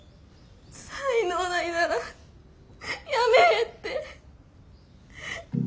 才能ないならやめえって。